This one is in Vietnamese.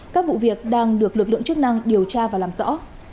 các vụ việc đang được lực lượng chức năng điều tra và làm rõ